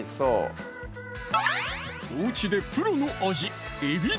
おうちでプロの味